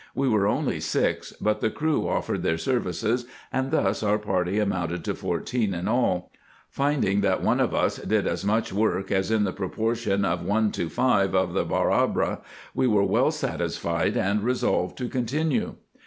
We were only six, but the crew offered their services, and thus our party amounted to fourteen in all. Finding that one of us did as much work as in the proportion of one to five of the 208 RESEARCHES AND OPERATIONS Barabra, we were well satisfied, and resolved to continue.